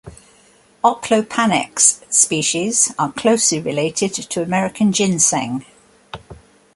"Oplopanax" species are closely related to American ginseng.